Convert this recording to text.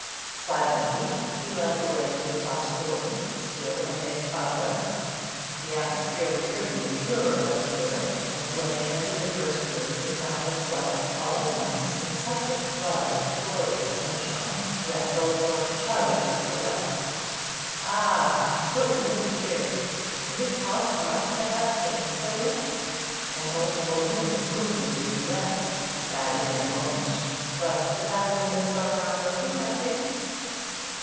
Silently he led the way to the top story, still amid cobwebs; the atmosphere was certainly purer up here, and when they entered the first room they found themselves all at once in such a flood of glorious sunshine that Goldthorpe shouted with delight. 'Ah, I could live here! Would it cost much to have panes put in? An old woman with a broom would do the rest.' He added in a moment, 'But the back windows are not broken, I think?'